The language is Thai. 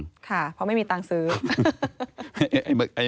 ค่ะเพราะไม่มีตังค์ซื้อ